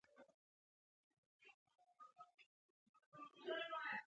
زردالو د افغانستان د چاپیریال د مدیریت لپاره مهم دي.